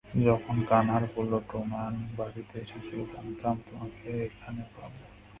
যখন গানার বললো ডোনান বাড়িতে এসেছিল, জানতাম তোমাকে এখানে পাবো।